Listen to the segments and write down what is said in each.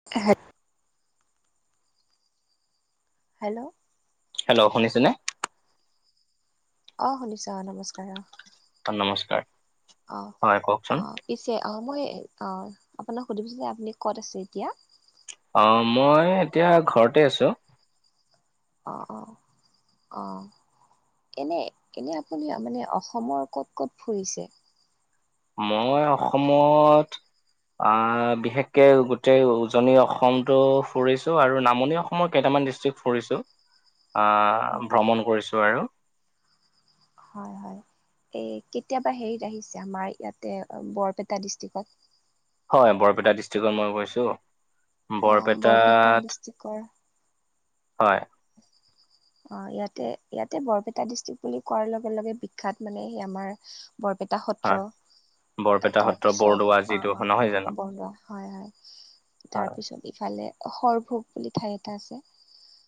[unintelligible] Hello. Hello শুনিছেনে। অ শুনিছোঁ অ নমস্কাৰ অ। নমস্কাৰ অ হয় অ কওঁকচোন। পিছে অঁ মই অ আপোনাক সুধিছিলোঁ যে আপুনি ক'ত আছে এতিয়া। অ মই এতিয়া ঘৰতে আছোঁ। অ, অ, অ। এনে এনেই আপুনি মানে অসমৰ ক'ত, ক'ত ফুৰিছে? মই অসমত। আ বিশেষকে গোটেই উজনি অসমটো ফুৰিছোঁ আৰু নামনি অস মই কেইটামান ডিষ্ট্ৰিক ফুৰিছোঁ, আ', হয় ভ্ৰমণ কৰিছোঁ আৰু। হয়, হয় এই কেতিয়াবা হেৰিত আহিছা, আমাৰ ইয়াতে বৰপেটা ডিষ্ট্ৰিকত। হয়, বৰপেটা ডিষ্ট্ৰিকত মই গৈছোঁ। অ বৰপেটা বৰপেটাত ডিষ্ট্ৰিকৰ হয়। [inaudible] অ', ইয়াতে, ইয়াতে বৰপেটা ডিষ্ট্ৰিকট বুলি কোৱাৰ লগে লগে বিখ্যাত মানে সেই আমাৰ বৰপেটা হয় সত্ৰ বৰপেটা সত্ৰ তাৰপিছত বৰদোৱা যিটো অ', অ', নহয় জানো [unintelligible] হয়, হয় হয় তাৰপিছত ইফালে সৰভোগ বুলি ঠাই এটা আছে।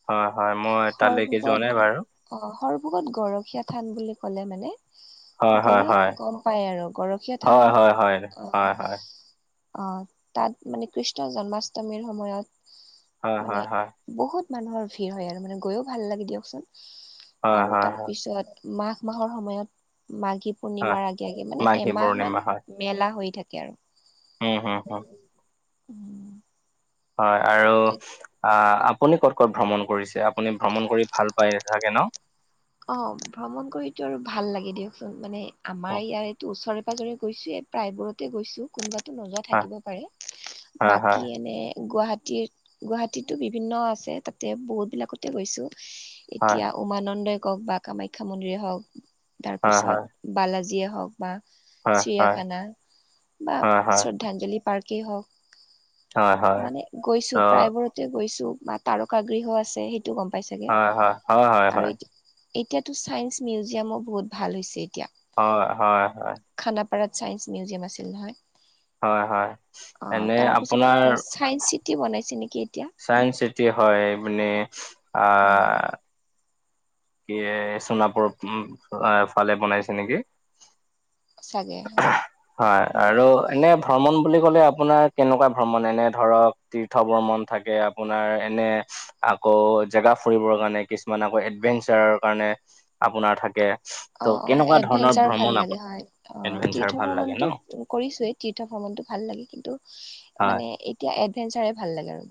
হয়, হয় মই তালৈকে যোৱা সৰভোগত নাই বাৰু। অ', সৰভোগত গৰখীয়া থান বুলি কলে মানে হয় হয় হয় সকলোৱে গম পায় আৰু, গৰখীয়া হয় হয় থানত হয় অ'। হয় হয় অ', তাত মানে কৃষ্ণ জন্মাষ্টমীৰ হয় সময়ত হয় মানে হয় বহুত মানুহৰ ভিৰ হয়, আৰু মানে গৈও ভাল লাগে দিয়কচোন হয় হয় আৰু হয় হয় তাৰপিছত মাঘ মাহৰ সময়ত, মাঘী হয় পূৰ্ণিমাৰ আগে, আগে মানে মাঘী এমাহ মান পূৰ্ণিমা হয়, মেলা হৈ থাকে আৰু। উম [unintelligible] [inaudible] হয়, আৰু আ, আপুনি ক'ত, ক'ত ভ্ৰমণ কৰিছে? আপুনি ভ্ৰমণ কৰি ভাল পাই চাগে ন? অ', ভ্ৰমণ কৰিতো আৰু ভাল লাগে দিয়কচোন, মানে আমাৰ উম, ইয়াৰ এইটো ওচৰ পাজৰে গৈছো এ প্ৰায়বোৰতে গৈছো। কোনোবাটো নোযোৱা হয়, থাকিব পাৰে, হয়, হয়, বাকী এনে গুৱাহাটীত গুৱাহাটীতো বিভিন্ন আছে, তাতে বহুত বিলাকতে গৈছোঁ, হয়, এতিয়া উমানন্দই কওক বা কামাখ্যা মন্দিৰেই হওক, হয়, হয়, তাৰপিছত বালাজীয়ে হওক বা হয়, হয়, চিৰিয়াখানা, বা হয়, হয়, শ্ৰদ্ধাঞ্জলি পাৰ্কেই হওক হয়, হয়, মানে গৈছো ত' প্ৰায়বোৰতে গৈছো, বা তাৰকা গৃহ আছে সেই টো গম পাই চাগে হয়, হয়, হয়, হয়, আৰু হয়, এইটো এতিয়াতো ছাইন্স মিউজিয়ামো বহুত ভাল হৈছে এতিয়া। হয়, হয়, হয়। খানাপাৰাত ছাইেন্স মিউজিয়াম আছিল নহয়। হয়, হয়, অ' এনে তাৰপিছত আপোনাৰ আকৌ চাইন্স চিটি বনাইছে নেকি এতিয়া? চাইন্স চিটি হয়, ইপিনে আ উম, ইয়ে সোণাপুৰৰ উম, আ ফালে বনাইছে নেকি? চাগে অ'। হয়, আৰু এনে ভ্ৰমণ বুলি ক'লে আপোনাৰ কেনেকুৱা ভ্ৰমণ, এনে ধৰক তীৰ্থ ভ্ৰমন থাকে আপোনাৰ এনে আকৌ জেগা ফুৰিবৰ কাৰণে কিছুমান আকৌ এডভেন্স চাৰৰ কাৰণে আপোনাৰ থাকে। ত' অ', অ', কেনেকুৱা ধৰণৰ এডভেঞ্চাৰ ভাল ভ্ৰমণ আপ লাগে হয়। অ', এডভেঞ্চাৰ তীৰ্থ ভাল লাগে ভ্ৰমণটো ন কৰিছোয়েই। তীৰ্থ ভ্ৰমণটো ভাল লাগে, কিন্তু হয় মানে এতিয়া এডভেঞ্চাৰে ভাল লাগে আৰু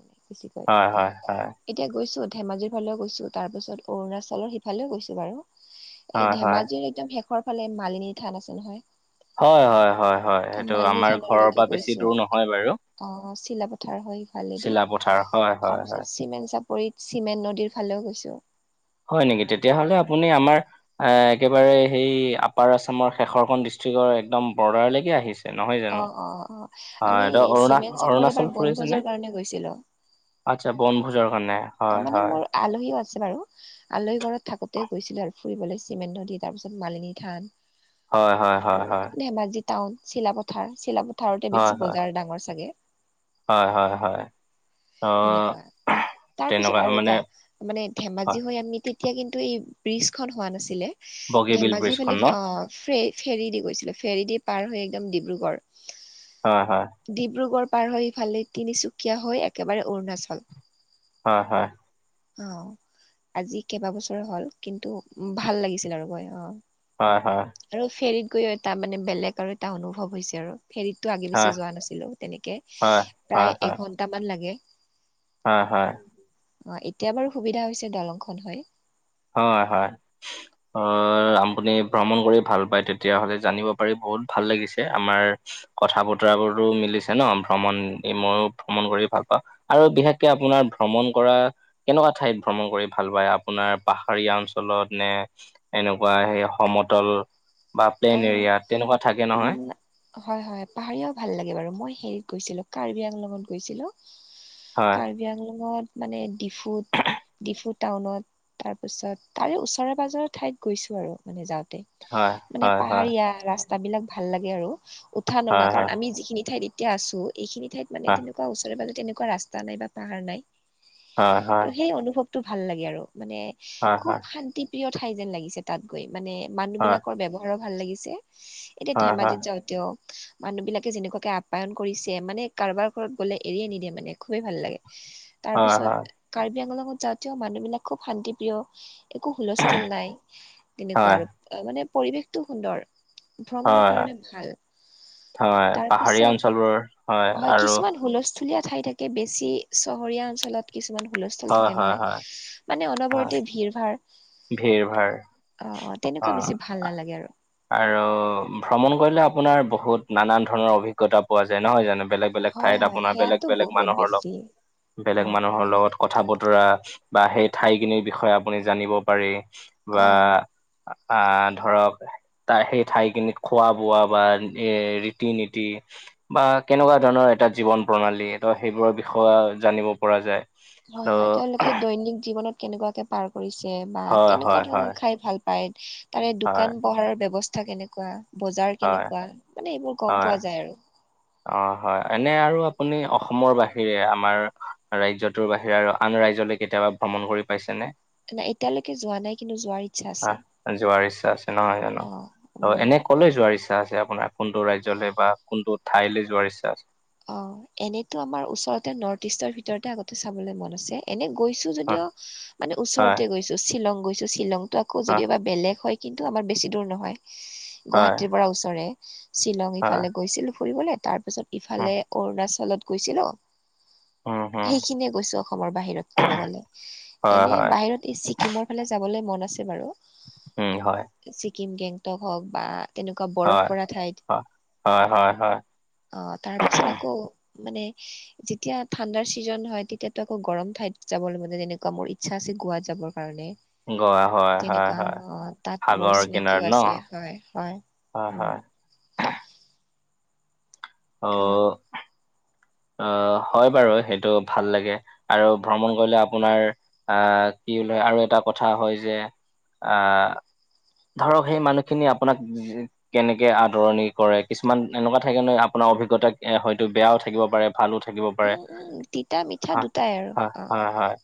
হয় হয় হয় বেছিকৈ। এতিয়া গৈছো, ধেমাজিৰ ফালেও গৈছো, তাৰপাছত অৰুণাচৰ সিফালেও গৈছো বাৰু। এই হয় হয় ধেমাজিৰ একদম শেষৰ ফালে মালিনী থান আছে নহয়। হয়, হয়, হয়, হয়, সেইটো মালিনী আমাৰ ঘৰৰ থানলৈকে পৰা গৈছো। বেছি দূৰ নহয় বাৰু। অ', চিলাপথাৰ হয় ই, চিলাপথাৰ হয় হয় তাৰপিছত হয় চিমেণ চাপ পৰিত চিমেণ্ট নদীৰ ফালেও গৈছো। হয় নেকি, তেতিয়াহলে আপুনি আমাৰ এ একেবাৰে সেই আপাৰ আছামৰ শেষৰখন ডিষ্ট্ৰিক্টৰ একদম বৰ্ডাৰলৈকে আহিছে। নহয় জানো আমি অ', অৰুণা চিমেণ্ট চাপৰিত এবাৰ অৰুণাচল ফুৰিছেনে বনভোজৰ নে? কাৰণে গৈছিলো আচ্ছা বনভোজৰ কাৰণে অ হয়, মানে হয়। মোৰ আলহীও আছে বাৰু আলহী ঘৰত থাকোঁতে গৈছিলে আৰু ফুৰিবলৈ চিমেণ্ট নদী তাৰপিছত মালিনী থান হয় হয় হয় হয় আৰু ধেমাজিত টাউন চিলাপথাৰ চিলাপথাৰতে হয় বেছি হয় বজাৰ ডাঙৰ চাগে হয়, হয়, হয় ত তেনেকুৱা তাৰ পিছত তেনেকুৱা আৰু মানে এটা মানে ধেমাজি হয় হৈ আননি তেতিয়া কিন্তু এই ব্ৰিজ খন হোৱা নাছিলে বগীবিল ধেমাজি ব্ৰিজখন ফালে ন অ', ফ্ৰে ফেৰী দি গৈছিলোঁ ফেৰী দি পাৰ হৈ একদম ডিব্ৰুগড়। হয়, হয়। ডিব্ৰুগড় পাৰ হৈ ইফালে তিনিচুকীয়া হৈ একেবাৰে অৰুণাচল। হয়, হয়। অ'। আজি কেইবা বছৰ হ'ল কিন্তু ভাল লাগিছিল আৰু গৈ অ'। হয়, হয়। আৰু ফেৰীত গৈ এটা মানে বেলেগ আৰু এটা অনুভৱ হৈছে আৰু ফেৰীত তো আগে হয় পিছে যোৱা নাছিলোঁ তেনেকে হয় হয় প্ৰায় হয় একঘন্টা মান লাগিল। হয়, হয়। অ', এতিয়া বাৰু সুবিধা হৈছে দলংখন হয়। হয়, হয়। আহ আপুনি ভ্ৰমণ কৰি ভাল পায় তেতিয়া হ'লে জানিব পাৰি বহুত ভাল লাগিছে আমাৰ কথা বতৰাবোৰো মিলিছে ন ভ্ৰমণ মইও ভ্ৰমণ কৰি ভাল পাওঁ। আৰু বিশেষকে আপোনাৰ ভ্ৰমণ কৰা কেনেকুৱা ঠাইত ভ্ৰমণ কৰি ভাল পায় আপোনাৰ। পাহাৰীয়া অঞ্চলত নে এনেকুৱা সেই সমতল। বা অ প্লেইন এৰিয়া তেনেকুৱা থাকে নহয়। উম হয়, হয় পাহাৰীয়াও ভাল লাগে বাৰু মই হেৰিত গৈছিলোঁ কাৰ্বি আংলত গৈছিলোঁ। হয় কাৰ্বি আংলঙত মানে ডিফুত। ডিফু টাউনত তাৰপিছত তাৰে ওচৰে পাঁজৰে ঠাইত গৈছোঁ আৰু মানে যাওঁতে। হয়, হয়, হয়। এয়া ৰাস্তা বিলাক ভাল লাগে আৰু উঠা নমা হয় কাৰণ হয়। আমি যিখিনি ঠাইত এতিয়া আছোঁ এইখিনি ঠাইত মানে তেনেকুৱা ওচৰে পাজে তেনেকুৱা ৰাস্তা নাই বা পাহাৰ নাই হয় হয় ত' সেই অনুভৱ টো ভাল লাগে আৰু মানে হয় খুব হয় শান্তি প্ৰিয় ঠাই যেন লাগিছিল তাত গৈ মানে মানুহ হয় বিলাকৰ ব্যৱহাৰো ভাল লাগিছে এতিয়া হয় হয় ধেমাজিত যাওঁ তেওঁক মানুহবিলাকে যেনেকুৱাকৈ আপ্যায়ন কৰিছে মানে কাৰোবাৰ ঘৰত গ'লে এৰি নিদিয়ে মানে খুবেই ভাল লাগে হয় তাৰপিছত কাৰ্বি আংলঙত যাওঁতেও মানুহ বিলাক খুব শান্তি প্ৰিয় একো হুলস্থুল নাই তেনেকুৱা হয় আৰু মানে পৰিৱেশটো সুন্দৰ। ভ্ৰমণৰ হয় কাৰণে ভাল। হয় হয় তাৰ পাহাৰীয়া অঞ্চলবোৰ পিছত হয় আৰু কিছুমান হুলস্থুলীয়া ঠাই থাকে। কৈ বেছি চহৰীয়া অঞ্চলত কিছুমান হুলস্থল হয় থাকে হয় হয় নহয় মানে হয় অনবৰতে ভিৰ ভাৰ। অ', ভিৰ ভাৰ অ', তেনেকুৱা বেছি ভাল নালাগে আৰু। আৰু ভ্ৰমণ কৰিলে আপোনাৰ বহুত নানান ধৰণৰ অভিজ্ঞতা পোৱা যায় নহয় জানো বেলেগ? বেলেগ হয় ঠাইত হয় আপোনাৰ বেলেগ, সেয়াতো বেলেগ বহুত মানুহৰ বেছি লগ অ বেলেগ মানুহৰ লগত। কথা বতৰা বা সেই ঠাইখিনিৰ বিষয়ে আপুনি জানিব পাৰি বা অ আ ধৰক ত সেই ঠাই কিনিত খোৱা বোৱা বা এ ৰীতি নীতি বা কেনেকুৱা ধৰণৰ এটা জীৱন প্ৰণালী সেইবোৰৰ বিষয়ে জানিব পৰা যায়। ত হয়, হয় তেওঁলোকে দৈনিক জীৱনত কেনেকুৱাকে পাৰ কৰিছে বা হয় কেনেকুৱা হয় ধৰণৰ হয় খাই ভাল পায় তাৰে হয় দোকান পহাৰৰ ব্যৱস্থা কেনেকুৱা। বজাৰ হয় কেনেকুৱা মানে এইবোৰ গ'ম হয় পোৱা যায় আৰু। অ', হয় এনে আৰু আপুনি অসমৰ বাহিৰে আমাৰ ৰাজ্যটোৰ বাহিৰে আৰু আন ৰাজ্যলে কেতিয়াবা ভ্ৰমণ কৰি পাইছেনে? এতিয়ালৈকে যোৱা নাই কিন্তু যোৱাৰ ইচ্ছা আছে যোৱাৰ ইচ্ছা আছে নহয় জানোঁ। অ উম এনেই সকলোৱে যোৱাৰ ইচ্ছা আছে আপোনাৰ কোনটো ৰাজ্যলৈ বা কোনটো ঠাইলৈ যোৱাৰ ইচ্ছা আছে? অহ, এনেইতো আমাৰ ওচৰতে নৰ্থ ইষ্টৰ ভিতৰতে আগতে চাবলৈ মন আছে। এনেই গৈছো যদিও হয়, মানে হয়, ওচৰতে গৈছোঁ, শ্বিলং গৈছোঁ, শ্বিলংতটো আকৌ হয়, যদিওবা বেলেগ হয়। কিন্তু আমাৰ বেছি দূৰ নহয় হয়, গুৱাহাটীৰ পৰা ওচৰেই। শ্বিলং হয়, ইফালে গৈছিলোঁ ফুৰিবলে, তাৰপিছত উম, ইফালে অৰুণাচলত গৈছিলোঁ। উম, উম, সেইখিনিয়ে গৈছোঁ অসমৰ বাহিৰত ক'ব গ'লে, হয়, এনেই হয়, বাহিৰত এই ছিকিমৰ ফালে যাবলৈ মন আছে বাৰু। উম, হয়, ছিকিম গেংটক হওঁক বা তেনেকুৱা বৰফ হয়, পৰা ঠাইত। হয়। হয়, হয়, হয়, অহ, তাৰপিছত আকৌ মানে যেতিয়া ঠাণ্ডাৰ ছিজন হয় তেতিয়াাতো আকৌ গৰম ঠাইত যাবলৈ মানে তেনেকুৱা মোৰ ইচ্ছা আছে, গোৱাত যাবৰ কাৰণে। গোৱা হয়, হয়, তেনেকুৱা হয়, অহ, তাত মোৰ সাগৰ কিনাৰত চিনাকিও ন? আছে। হয়, হয়, হয়, উম। হয়, অ অহ হয় বাৰু সেইটো ভাল লাগে আৰু ভ্ৰমণ কৰিলে আপোনাৰ অহ, কি আৰু এটা কথা হয় যে আহ ধৰক সেই মানুহখিনি আপোনাক কেনেকে আদৰণি কৰে, কিছুমান এনেকুৱা থাকে ন' আপোনাৰ অভিজ্ঞতা হয়তো বেয়াও থাকিব। পাৰে ভালো থাকিব পাৰে। উম উম তিতা মিঠা হয়, দুটাই আৰু হয়, অ হয়, হয়,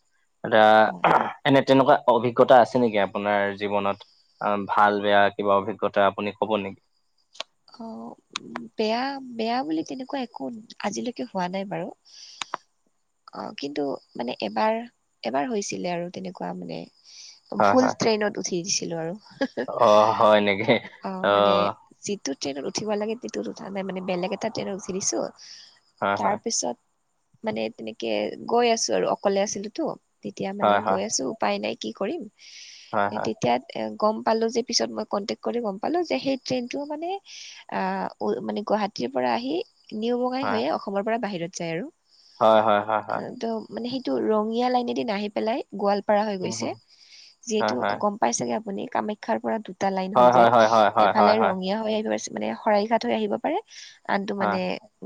এতিয়া হয় এনেই তেনেকুৱা অভিজ্ঞতা আছে নেকি আপোনাৰ জীৱনত? অহ, ভাল বেয়া কিবা অভিজ্ঞতা আপুনি ক'ব নেকি? অহ উম, বেয়া-বেয়া বুলি তেনেকুৱা একো আজিলৈকে হোৱা নাই বাৰু। অহ, কিন্তু মানে এবাৰ-এবাৰ হৈছিলে আৰু তেনেকুৱা মানে। হয় ভুল হয় ট্ৰেইনত উঠি দিছিলোঁ আৰু। অ', হয় নেকি অহ, মানে অ', যিটো ট্ৰেইনত উঠিব লাগে সেইটোত উঠা নাই মানে, বেলেগ এটা ট্ৰেইনত উঠি দিছোঁ। হয় হয় তাৰপিছত মানে তেনেকে গৈ আছোঁ আৰু অকলে আছিলোতো। তেতিয়া মানে হয় হয় গৈ আছোঁ উপায় নাই কি কৰিম। হয় হয় তেতিয়া গম পালোঁ যে, পিছত মই কনটেক্ট কৰি গম পালোঁ যে সেই ট্ৰেইনটো মানে মানে গুৱাহাটীৰ পৰা আহি নিউ বঙাই হয় হৈয়ে অসমৰ পৰা বাহিৰত যায় আৰু। হয় হয় হয় হয় হয়। অহ, ত' মানে সেইটো ৰঙীয়া লাইনে দি নাহি পেলাই গোৱালপাৰা হৈ উম গৈছে, যিহেতু গম পাই চাগে আপুনি কামাখ্যাৰ পৰা দুটা লাইন হৈ যায়, এফালে ৰঙীয়া হৈ আহিব, মানে শৰাই ঘাট হৈ আহিব পাৰে। আনটো মানে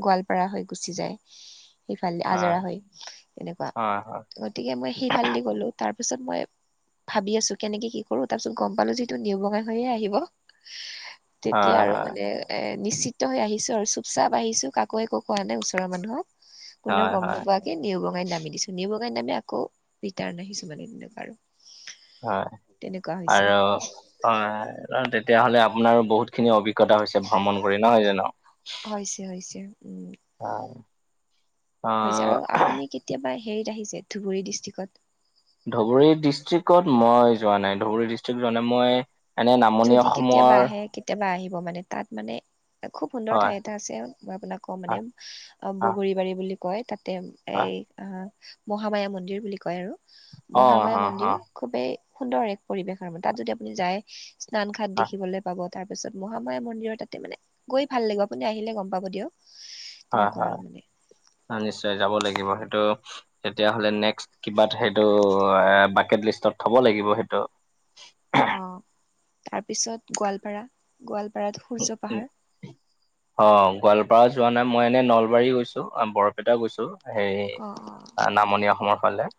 গোৱালপাৰা হৈ গুচি যায়। সিফালেদি আজৰা হৈ, তেনেকুৱা গতিকে মই সিফালেদি গলোঁ তাৰপিছত মই ভাবি আছোঁ কেনেকে কি কৰোঁ। তাৰপিছত গম পালোঁ যিহেতু নিউ বঙাই হৈয়ে আহিব তেতিয়া আৰু মানে এ নিশ্চিত হৈ আহিছোঁ আৰু চুপ-চাপ আহিছোঁ কাকো একো কোৱা নাই ওচৰৰ মানুহক। কোনেও গম নোপোৱাকে। নিউ বঙাইত নামি দিছোঁ, নিউ বঙাই নামি আকৌ ৰিটাৰণ আহিছো মানে তেনেকুৱা আৰু। হয়। তেনেকুৱা হৈছে আৰু হয় কাৰণ তেতিয়াহলে আপোনাৰো বহুতখিনি অভিজ্ঞতা হৈছে ভ্ৰমণ কৰি নহয় জানোঁ। হৈছে, হৈছে, উম। হয়। হৈছে আহ আৰু আপুনি কেতিয়াবা হেৰিত আহিছে ধুবুৰী ডিষ্ট্ৰিক্ট? ধুবুৰী ডিষ্ট্ৰিক্টত মই যোৱা নাই। ধুবুৰী ডিষ্ট্ৰিক্ট যোৱা নাই মই এনেই নামনি যদি কেতিয়াবা অসমৰ আহে কেতিয়াবা আহিব মানে তাত মানে, খুব সুন্দৰ হয় ঠাই এটা আছে। মই আপোনাক কওঁ মানে, হয় এ বগৰীবাৰী বুলি কয় তাতে হয় এ হয়। অহ মহামায়া মন্দিৰ বুলি কয় আৰু অ' হ মহামায়া হ মন্দিৰ খুবেই সুন্দৰ এক পৰিৱেশ আৰু মানে। তাত যদি আপুনি যায় স্নান ঘাট হয় দেখিবলৈ পাব। তাৰপিছত মহামায়া মন্দিৰৰ তাতে মানে গৈ ভাল লাগে, আপুনি আহিলে গম পাব দিয়ক। হয় তেনেকুৱা আৰু হয়, মানে নিশ্চয় যাব লাগিব সেইটো তেতিয়াহ'লে নেক্সট কিবা সেইটো বাকেট লিষ্টত থব লাগিব সেইটো। অ' তাৰপিছত গোৱালপাৰা, গোৱালপাৰাত সূৰ্য পাহাৰ। অ' গোৱালপাৰা যোৱা নাই, মই এনে নলবাৰী গৈছোঁ, বৰপেটা গৈছোঁ। হেৰি অ অ নামনি অসমৰ ফালে।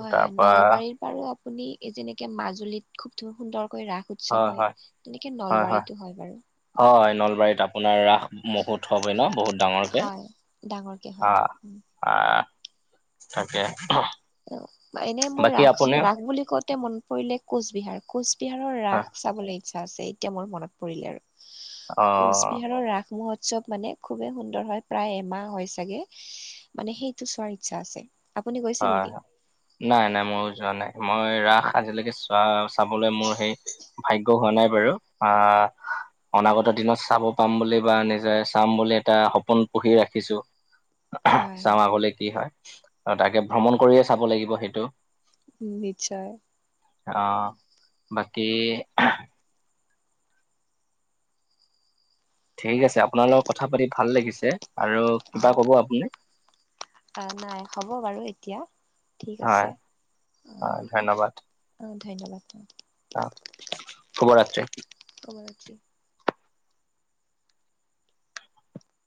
হয় হয়, তাৰপা নলবাৰীৰ বাৰু আপুনি এই যেনেকে মাজুলীত খুব সুন্দৰকৈ ৰাস উঠ উৎসৱ হয় তেনেকে নলবাৰীতো হয় বাৰু। হয় নলবাৰীত আপোনাৰ ৰাস মহুত হয় ন' বহুত ডাঙৰকে। হয় ডাঙৰকে হয়। আ আ, থাকে। অ' এনে মোৰ ৰাস, ৰাস বুলি কওঁতে মন পৰিলে কোচবিহাৰ, কোচবিহাৰৰ অ ৰাস চাবলৈ ইচ্ছা আছে, এতিয়া মোৰ মনত পৰিলে আৰু। অ কোচবিহাৰৰ ৰাস মহোৎসৱ মানে খুবেই সুন্দৰ হয়, প্ৰায় এমাহ হয় চাগে, মানে সেইটো চোৱাৰ ইচ্ছা আছে। আপুনি গৈছিল হয় নেকি? হয়। নাই নাই ময়ো যোৱা নাই। মই ৰাস আজিলৈকে চোৱা চাবলৈ মোৰ সেই ভাগ্য হোৱা নাই বাৰু আ অনাগত দিনত চাব পাম বুলি বা নিজে চাম বুলি এটা সপোন পুহি ৰাখিছোঁ। হয় হয় চাওঁ আগলে কি হয় আৰু তাকে ভ্ৰমণ কৰিয়ে চাব লাগিব সেইটো। উ, নিশ্চয়। অ' বাকী ঠিক আছে আপোনাৰ লগত কথা পাতি ভাল লাগিছে আৰু কিবা ক'ব আপুনি? অ' নাই হ'ব বাৰু এতিয়া, ঠিক হয় আছে অ'। হয় ধন্যবাদ অ' ধন্যবাদ। অ' শুভ ৰাত্ৰি। শুভ ৰাত্ৰি।